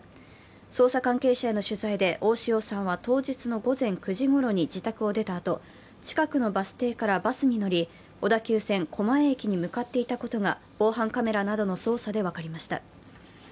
捜査関係者への取材で、大塩さんは当日の午前９時ごろに自宅を出たあと、近くのバス停からバスに乗り、小田急線・狛江駅に向かっていたことが防犯カメラなどの捜査で分かりました。